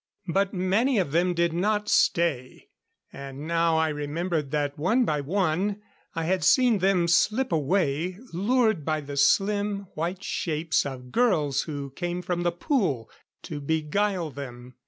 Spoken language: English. But many of them did not stay; and now I remembered that, one by one, I had seen them slip away, lured by the slim, white shapes of girls who came from the pool to beguile them.